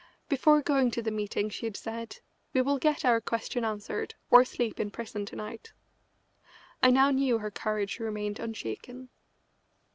Before going to the meeting she had said, "We will get our question answered or sleep in prison to night." I now knew her courage remained unshaken.